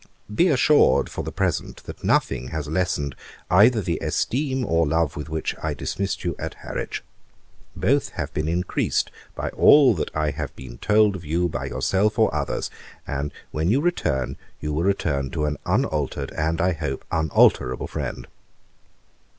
Be assured, for the present, that nothing has lessened either the esteem or love with which I dismissed you at Harwich. Both have been increased by all that I have been told of you by yourself or others; and when you return, you will return to an unaltered, and, I hope, unalterable friend.